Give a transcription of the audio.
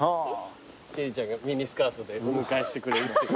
千里ちゃんがミニスカートでお迎えしてくれるっていう。